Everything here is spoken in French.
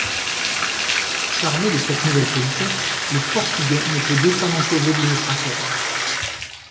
Charmé de cette nouvelle politesse, le Portugais ne peut décemment causer d'une autre affaire.